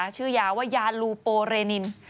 ชื่อยาว่ายาลูโปเรนิน